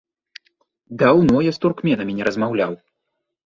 Даўно я з туркменамі не размаўляў.